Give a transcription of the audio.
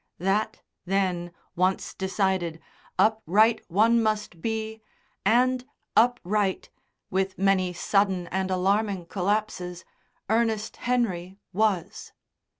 That, then, once decided, upright one must be and upright, with many sudden and alarming collapses, Ernest Henry was.